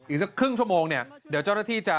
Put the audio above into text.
อีกสักครึ่งชั่วโมงเนี่ยเดี๋ยวเจ้าหน้าที่จะ